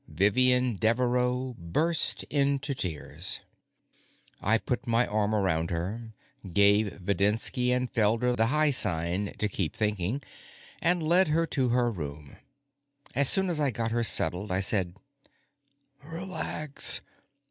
Vivian Devereaux burst into tears. I put my arm around her, gave Videnski and Felder the high sign to keep thinking, and led her to her room. As soon as I got her settled, I said: "Relax.